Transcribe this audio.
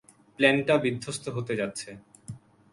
প্লেনটা বিদ্ধস্ত হতে যাচ্ছে।